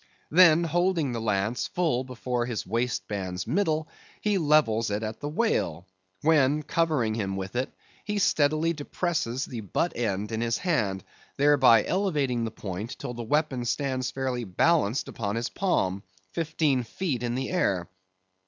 Then holding the lance full before his waistband's middle, he levels it at the whale; when, covering him with it, he steadily depresses the butt end in his hand, thereby elevating the point till the weapon stands fairly balanced upon his palm, fifteen feet in the air.